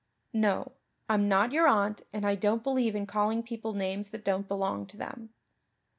"No. I'm not your aunt and I don't believe in calling people names that don't belong to them."